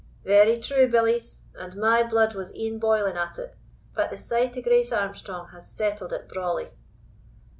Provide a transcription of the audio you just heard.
"Very true, billies, and my blood was e'en boiling at it; but the sight o' Grace Armstrong has settled it brawly."